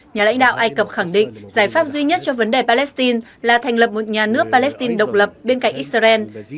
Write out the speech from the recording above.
nhà lãnh đạo ai cập khẳng định giải pháp duy nhất cho vấn đề palestine là thành lập một nhà nước palestine độc lập bên cạnh israel